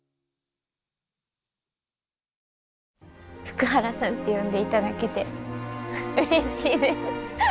福原さんって呼んでいただけてうれしいです。